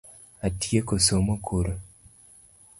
Atieko somo koro